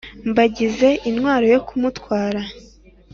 mba ngize intwaro yo kumutwara